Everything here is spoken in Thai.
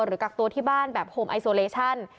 กักตัวที่บ้านแบบโฮมไอโซเลชั่น